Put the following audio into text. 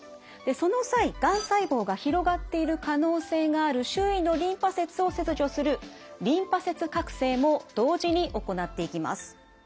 その際がん細胞が広がっている可能性がある周囲のリンパ節を切除するリンパ節郭清も同時に行っていきます。